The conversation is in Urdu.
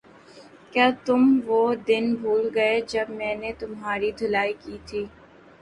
کیا تم وہ دن بھول گئے جب میں نے تمہاری دھلائی کی تھی